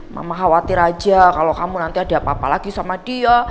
mama khawatir aja kalau kamu nanti ada apa apa lagi sama dia